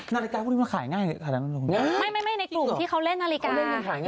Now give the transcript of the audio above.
นาฬิกาพูดว่าขายง่ายไม่ในกลุ่มที่เขาเล่นนาฬิกา